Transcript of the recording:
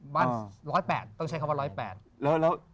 ว่าน๑๐๘ต้องใช้คำว่า๑๐๘